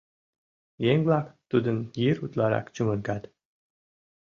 Еҥ-влак тудын йыр утларак чумыргат.